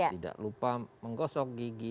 tidak lupa menggosok gigi